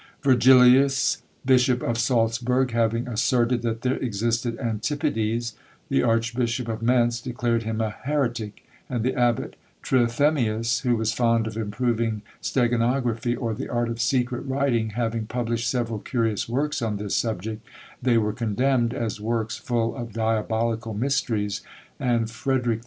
Virgilius, Bishop of Saltzburg, having asserted that there existed antipodes, the Archbishop of Mentz declared him a heretic; and the Abbot Trithemius, who was fond of improving steganography or the art of secret writing, having published several curious works on this subject, they were condemned, as works full of diabolical mysteries; and Frederic II.